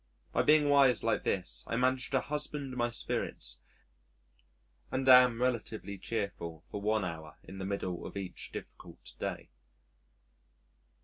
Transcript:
By being wise like this, I manage to husband my spirits and am relatively cheerful for one hour in the middle of each difficult day.